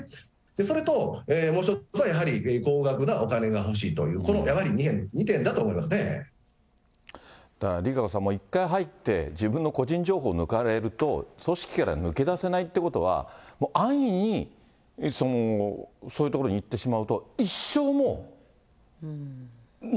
それと、もう一つはやはり、高額なお金が欲しいという、やはりこの２点だだからＲＩＫＡＣＯさん、もう１回入って、自分の個人情報を抜かれると、組織から抜け出せないということは、安易にそういうところに行ってしまうと、一生もう。